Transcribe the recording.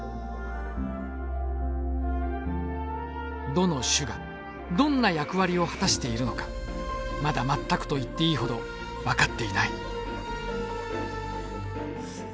どの種がどんな役割を果たしているのかまだ全くと言っていいほど分かっていない。